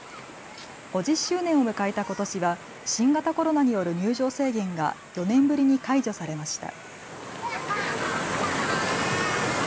５０周年を迎えたことしは新型コロナによる入場制限が４年ぶりに解除されました。